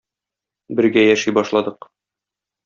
Бергә яши башладык.